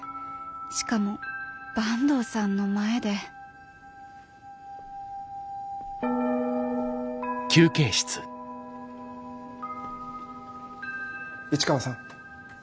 しかも坂東さんの前で市川さん。